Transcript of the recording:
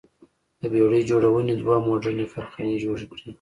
د بېړۍ جوړونې دوه موډرنې کارخانې جوړې کړې.